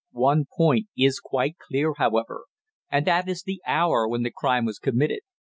One point is quite clear, however, and that is the hour when the crime was committed.